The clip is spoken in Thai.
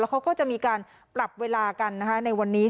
แล้วเขาก็จะมีการปรับเวลากันในวันนี้